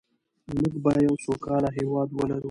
موږ به یو سوکاله هېواد ولرو.